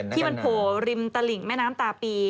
ที่มันโผล่ริมตลิ่งแม่น้ำตาปี